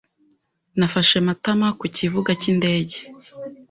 Nafashe Matama ku kibuga cy'indege.